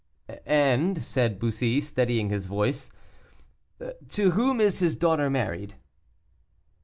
"And," said Bussy, steadying his voice, "to whom is his daughter married?"